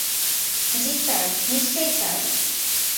জ্বী, স্যার, নিশ্চয়ই, স্যার।